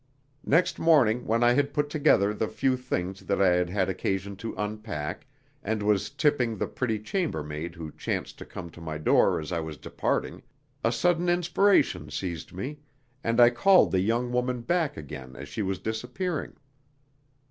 Next morning when I had put together the few things that I had had occasion to unpack, and was "tipping" the pretty chambermaid who "chanced" to come to my door as I was departing, a sudden inspiration seized me, and I called the young woman back again as she was disappearing.